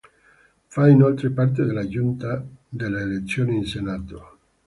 Fa inoltre parte della Giunta delle elezioni in Senato.